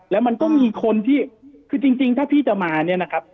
แล้วมันก็มีคนที่คือจริงถ้าพี่จะมาเนี่ยนะครับ